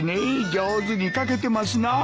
上手に描けてますなあ。